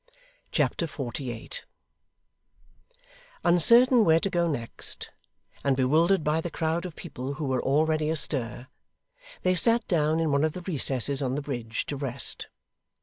Chapter 48 Uncertain where to go next, and bewildered by the crowd of people who were already astir, they sat down in one of the recesses on the bridge, to rest.